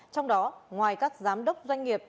trong đó ngoài các giám đốc doanh nghiệp